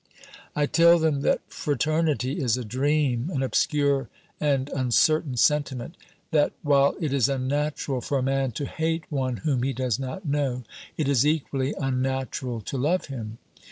I tell them that fraternity is a dream, an obscure and uncertain sentiment; that while it is unnatural for a man to hate one whom he does not know, it is equally unnatural to love him.